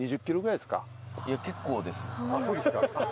あっそうですか。